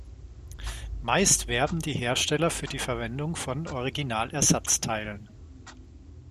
Meist werben die Hersteller für die Verwendung von Original-Ersatzteilen.